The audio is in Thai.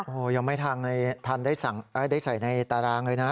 โอ้โหยังไม่ทันได้ใส่ในตารางเลยนะ